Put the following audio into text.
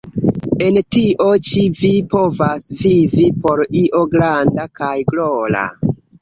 En tio ĉi vi povas vivi por io granda kaj glora.